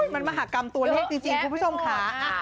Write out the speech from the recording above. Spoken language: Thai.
มันมหากรรมตัวเลขจริงคุณผู้ชมค่ะ